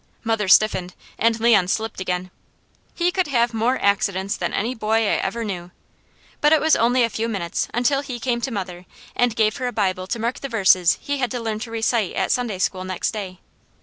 Mother stiffened and Leon slipped again. He could have more accidents than any boy I ever knew. But it was only a few minutes until he came to mother and gave her a Bible to mark the verses he had to learn to recite at Sunday school next day.